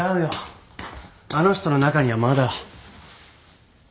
あの人の中にはまだ。